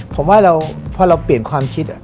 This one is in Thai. ผมว่าพอเราเปลี่ยนความคิด